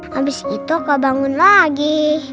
habis itu aku bangun lagi